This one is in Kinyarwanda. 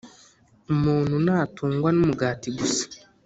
umuntu ntatungwa n umugati gusa